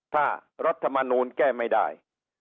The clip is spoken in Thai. ถ้ารัฐมนูลแก้ไม่ได้